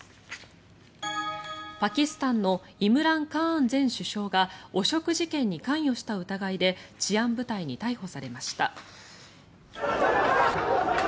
パキスタンのイムラン・カーン前首相が汚職事件に関与した疑いで治安部隊に逮捕されました。